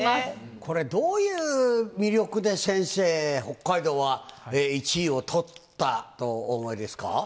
これ、どういう魅力で先生、北海道は１位を取ったとお思いですか？